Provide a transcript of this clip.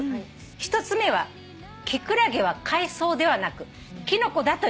「１つ目はキクラゲは海藻ではなくキノコだということ」